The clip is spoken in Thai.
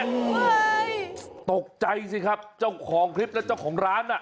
โอ้โหตกใจสิครับเจ้าของคลิปและเจ้าของร้านน่ะ